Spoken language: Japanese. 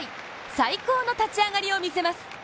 最高の立ち上がりを見せます。